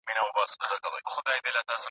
دا معلومات مي له معتبرو سرچینو واخیستل.